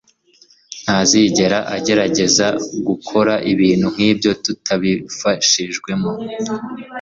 ntazigera agerageza gukora ibintu nkibyo tutabifashijwemo.